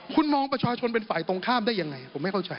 คุณมองประชาชนเป็นฝ่ายตรงข้ามได้ยังไงผมไม่เข้าใจ